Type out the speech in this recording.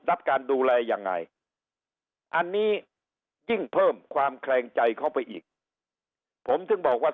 รับการดูแลยังไงอันนี้ยิ่งเพิ่มความแคลงใจเข้าไปอีกผมถึงบอกว่า